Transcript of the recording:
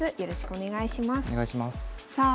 お願いします。